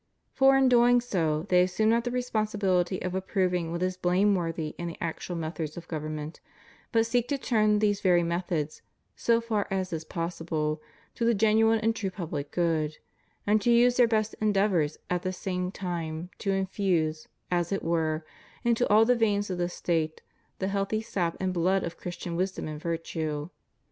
For in so doing they assume not the responsibility of approving what is blameworthy in the actual methods of government, but seek to turn these very methods, so far as is possible, to the genuine and true public good, and to use their best endeavors at the same time to infuse, as it were, into all the veins of the State the healthy sap and blood of Christian wisdom and virtue.